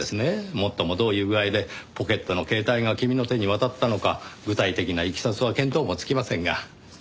もっともどういう具合でポケットの携帯が君の手に渡ったのか具体的ないきさつは見当もつきませんが。